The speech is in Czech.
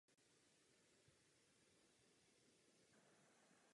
Farnost je administrována ex currendo Jistebnice.